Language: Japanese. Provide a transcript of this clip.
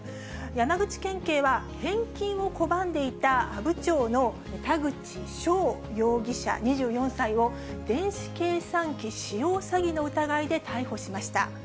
山口県警は返金を拒んでいた阿武町の田口翔容疑者２４歳を、電子計算機使用詐欺の疑いで逮捕しました。